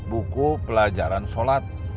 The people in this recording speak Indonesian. buku pelajaran sholat